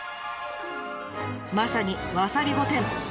まさにわさび御殿！